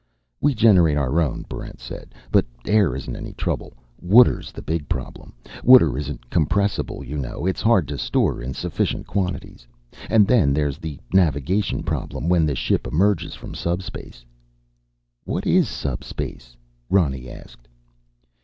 "We generate our own," Barrent said. "But air isn't any trouble. Water's the big problem. Water isn't compressible, you know. It's hard to store in sufficient quantities. And then there's the navigation problem when the ship emerges from subspace." "What is subspace?" Ronny asked.